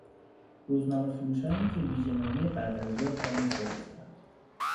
روزنامه فروشانی که ویژه نامهی بعدازظهر را میفروختند